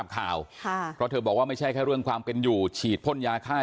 ก็ไม่มาไม่เห็นมาสอบถามมา